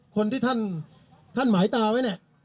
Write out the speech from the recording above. คนที่ท่านหมายตาไว้เนี่ย